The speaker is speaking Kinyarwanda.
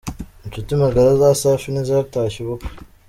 Inshuti magara za Safi ntizatashye ubukwe.